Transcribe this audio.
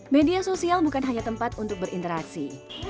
media sosial bukan hanya tempat untuk berinteraksi